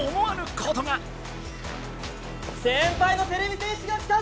先輩のてれび戦士が来たぞ！